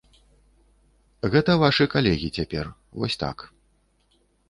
Гэта вашы калегі цяпер, вось так.